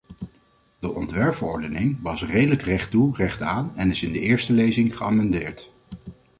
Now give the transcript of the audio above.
De ontwerpverordening was redelijk rechttoe rechtaan en is in de eerste lezing geamendeerd.